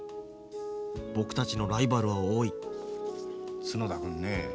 僕たちのライバルは多い角田くんね